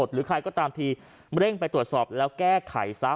หรือใครก็ตามทีเร่งไปตรวจสอบแล้วแก้ไขซะ